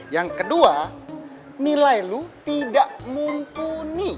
yang kedua nilai lu tidak mumpuni